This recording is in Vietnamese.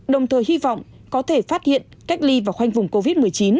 đồng thời hy vọng có thể phát hiện cách ly và khoanh vùng covid một mươi chín